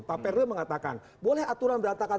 tapi mereka mengatakan boleh aturan beratakan